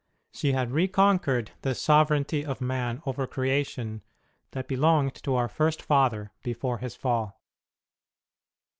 She had reconquered the sovereignty of man over creation that belonged to our first father before his fall.